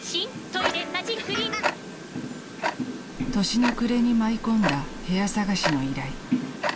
［年の暮れに舞い込んだ部屋探しの依頼］